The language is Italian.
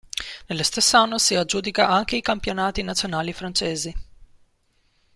Nello stesso anno si aggiudica anche i campionati nazionali francesi.